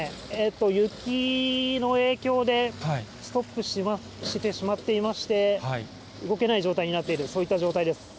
雪の影響でストップしてしまっていまして、動けない状態になっている、そういった状態です。